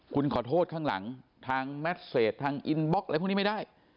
คุณขอโทษข้างหลังทางแมทเซตทางอินบล็อกอะไรพวกนี้ไม่ได้